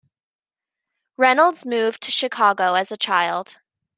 Reynolds moved to Chicago as a child.